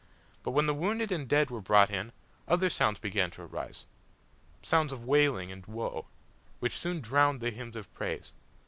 But when the wounded and the dead were brought in, other sounds began to arise sounds of wailing and woe, which soon drowned the hymns of praise.